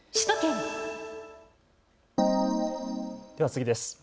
では次です。